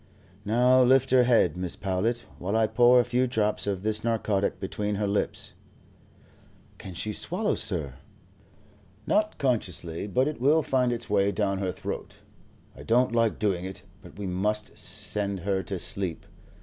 "Now, lift her head, Mrs. Powlett, while I pour a few drops of this narcotic between her lips." "Can she swallow, sir?" "Not consciously, but it will find its way down her throat. I don't like doing it, but we must send her to sleep.